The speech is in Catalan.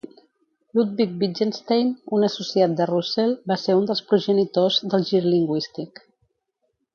Ludwig Wittgenstein, un associat de Russell, va ser un dels progenitors del gir lingüístic.